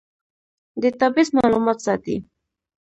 ډیټابیس معلومات ساتي